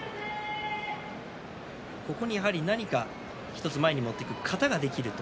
ここに何か１つ前に持っていく型ができると。